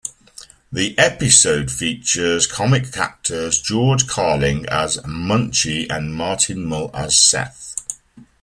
The episode features comic actors George Carlin as Munchie and Martin Mull as Seth.